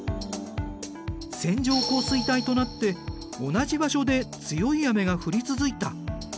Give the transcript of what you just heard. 線状降水帯となって同じ場所で強い雨が降り続いた。